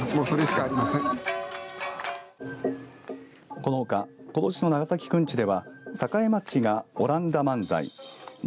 このほかことしの長崎くんちでは栄町が阿蘭陀万歳本